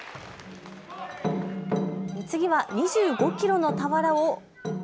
次は２５キロの俵を。